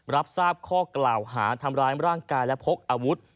รับทราบข้อกล่าวหาทำร้ายร่างกายและพกอาวุธ